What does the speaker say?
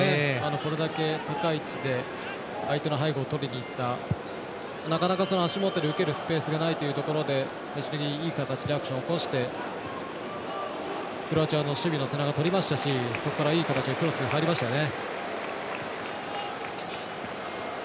これだけ高い位置で相手の背後をとりにいったなかなか足元で受けるスペースがないというところで最終的にいい形でアクションを起こしてクロアチアの守備の背中をとりましたしそこからいい形でクロスに入りましたよね。